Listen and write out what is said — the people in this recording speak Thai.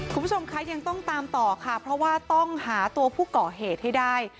คุณผู้ชมคะยังต้องตามต่อค่ะเพราะว่าต้องหาตัวผู้ก่อเหตุให้ได้